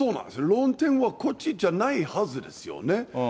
論点はこっちじゃないはずですよね。